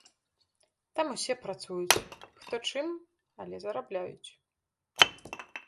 Там усе працуюць, хто чым, але зарабляюць.